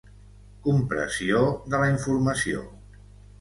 Compressió de la informació.